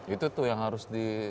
itu tuh yang harus di